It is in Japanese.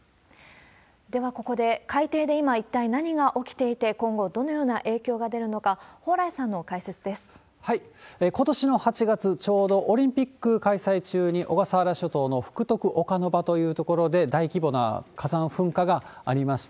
ではここで、海底で今何が起きていて、今後どのような影響が出るのか、ことしの８月、ちょうどオリンピック開催中に、小笠原諸島の福徳岡ノ場という所で、大規模な火山噴火がありました。